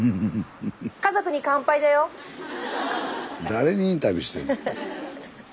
誰にインタビューしてんねん。